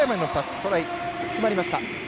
トライ、決まりました。